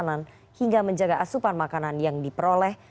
sehingga menjaga asupan makanan yang diperoleh